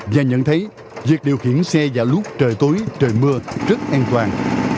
và nhận thấy việc điều khiển xe vào lúc trời tối trời mưa rất an toàn